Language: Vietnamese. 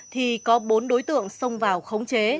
thì có bốn đối tượng xông vào khống chế